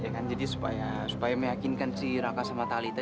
ya kan jadi supaya meyakinkan si raka sama talita